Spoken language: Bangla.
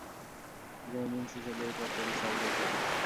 জেনে নিন সুস্বাদু এই পদ তৈরির সহজ রেসিপি।